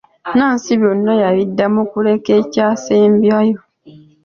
Nnansi byonna yabiddamu okuleka ekyasembayo.